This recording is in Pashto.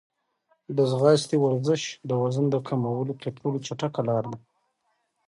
د ځغاستې ورزش د وزن د کمولو تر ټولو چټکه لاره ده.